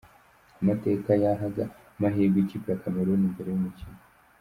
Amateka yahaga amahirwe ikipe ya Cameroon mbere y’umukino.